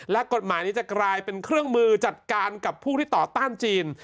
และกฎหมายนี้จะกลายเป็นเครื่องมือจัดการกับผู้ที่ต่อต้านจีน